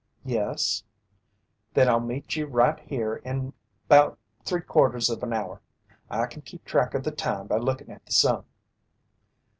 "Yes." "Then I'll meet ye right here in 'bout three quarters of an hour. I kin keep track o' the time by lookin' at the sun."